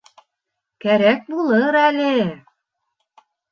Кәрәк булыр әле.